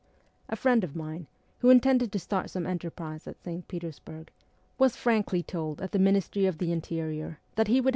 A friend of mine, who intended to start some enterprise at St. Petersburg, was frankly told at the Ministry of the Interior that he would have ST.